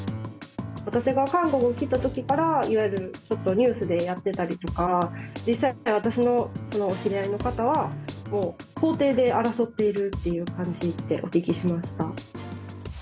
私が韓国来たときから、いわゆるニュースでやってたりとか、実際、私のお知り合いの方は、もう法廷で争っているっていう感じでお聞きしました。